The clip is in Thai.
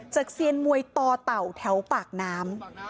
เซียนมวยต่อเต่าแถวปากน้ำ